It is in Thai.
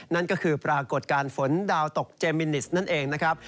นั่นก็คือปรากฏการณ์ฝนดาวตกเจมินิสนั่นเองนะครับ